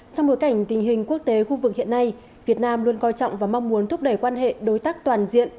trong bối cảnh tình hình quốc tế khu vực hiện nay việt nam luôn coi trọng và mong muốn thúc đẩy quan hệ đối tác toàn diện